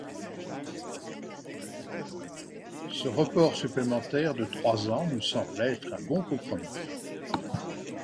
Ce report supplémentaire de trois ans nous semble être un bon compromis.